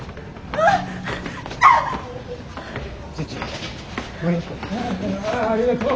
ああありがとう。